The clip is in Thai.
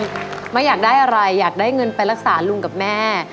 ไม่อยากได้อะไรอยากได้เงินไปรักษาลุงกับแม่